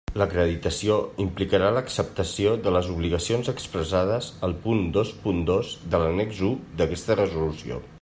L'acreditació implicarà l'acceptació de les obligacions expressades al punt dos punt dos de l'annex u d'aquesta Resolució.